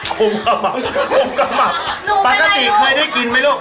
เขาอมกับมาปกติเคยได้กินไหมลูก